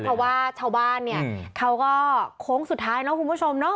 เพราะว่าเช้าบ้านเขาก็โค้งสุดท้ายเนอะคุณผู้ชมเนอะ